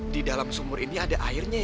di dalam sumur ini ada airnya